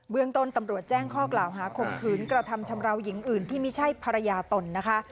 เมืองต้นตำรวจแจ้งข้อกล่าวหาข่มขืนกระทำชำราวหญิงอื่นที่ไม่ใช่ภรรยาตนนะคะ